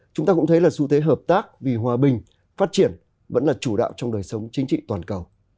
chúng ta cũng thấy là xu thế hợp tác vì hòa bình phát triển vẫn là chủ đạo trong đời sống chính trị toàn cầu